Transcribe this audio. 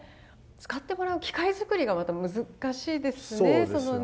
使ってもらう機会作りがまた難しいですねそのね。